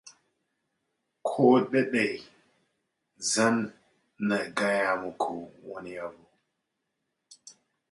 Ko da dai, zan na gaya muku wani abu.